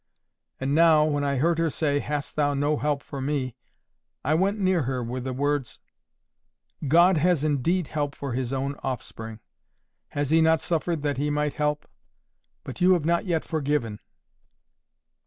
And now when I heard her say, "Hast thou NO help for me?" I went near her with the words: "God has, indeed, help for His own offspring. Has He not suffered that He might help? But you have not yet forgiven."